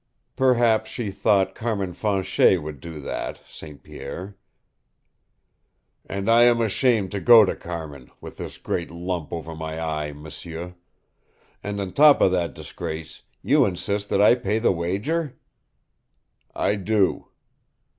"Perhaps she thought Carmin Fanchet would do that, St. Pierre." "And I am ashamed to go to Carmin with this great lump over my eye, m'sieu. And on top of that disgrace you insist that I pay the wager?" "I do."